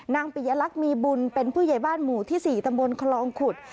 ปิยลักษณ์มีบุญเป็นผู้ใหญ่บ้านหมู่ที่๔ตำบลคลองขุด